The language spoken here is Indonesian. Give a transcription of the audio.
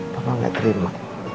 papa gak terima